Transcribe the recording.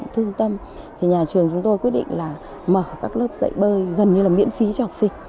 thương tâm nhà trường quyết định mở các lớp dạy bơi gần như miễn phí cho học sinh